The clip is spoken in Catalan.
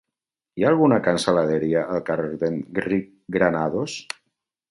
Hi ha alguna cansaladeria al carrer d'Enric Granados?